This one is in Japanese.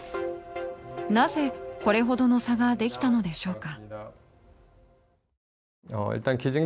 なぜこれほどの差ができたのでしょうか？